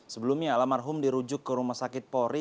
sebelumnya alam marhum dirujuk ke rumah sakit pori